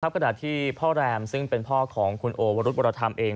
ขณะที่พ่อแรมซึ่งเป็นพ่อของคุณโอวรุธวรธรรมเอง